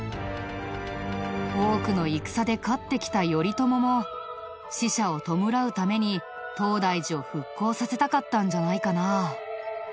多くの戦で勝ってきた頼朝も死者を弔うために東大寺を復興させたかったんじゃないかな。